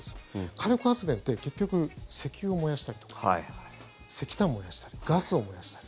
火力発電って、結局石油を燃やしたりとか石炭を燃やしたりガスを燃やしたり。